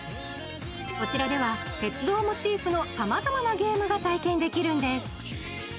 こちらでは鉄道モチーフのさまざまなゲームが体験できるんです。